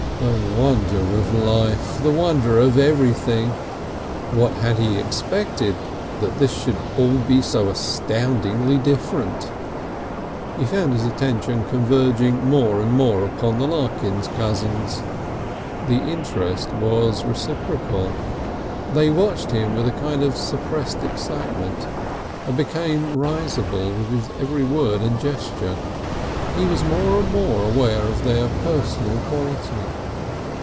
The wonder of life! The wonder of everything! What had he expected that this should all be so astoundingly different. He found his attention converging more and more upon the Larkins cousins. The interest was reciprocal. They watched him with a kind of suppressed excitement and became risible with his every word and gesture. He was more and more aware of their personal quality.